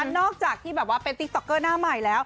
นอกจากที่แบบว่าเป็นติ๊กต๊อกเกอร์หน้าใหม่แล้ว